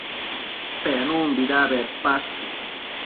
Penunbida bedpash?